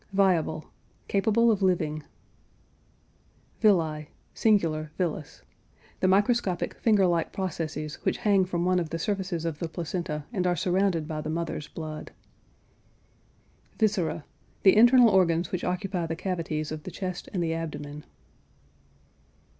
VIABLE. Capable of living. VILLI (singular villus). The microscopic, finger like processes which hang from one of the surfaces of the placenta and are surrounded by the mother's blood. VISCERA. The internal organs which occupy the cavities of the chest and the abdomen.